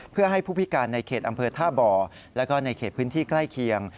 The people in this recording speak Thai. เพื่อให้ผู้พิการในเขตอำเภอท่าบ่อแล้วก็ในเขตพื้นที่ใกล้เคียง